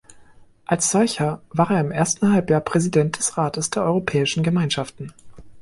Als solcher war er im ersten Halbjahr Präsident des Rates der Europäischen Gemeinschaften.